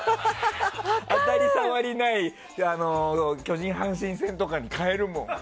当たり障りのない巨人と阪神戦とかに変えるもん。